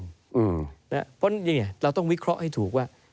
เพราะฉะนั้นเราต้องวิเคราะห์ให้ถูกว่า